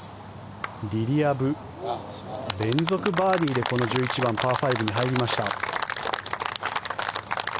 リリア・ブ、連続バーディーでこの１１番、パー５に入りました。